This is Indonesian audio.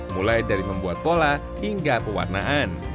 mulai dari membuat pola hingga pewarnaan